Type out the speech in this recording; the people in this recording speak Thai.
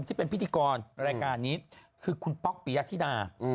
ที่เป็นพิธีกรรายการนี้คือคุณป๊อกปียะธิดา